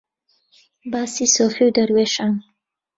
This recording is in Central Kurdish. باسی سۆفی و دەروێشان